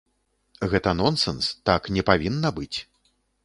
Гэта нонсэнс, так не павінна быць.